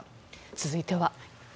続いては。